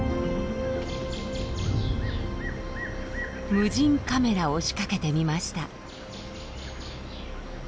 無人カメラを仕掛けてみました。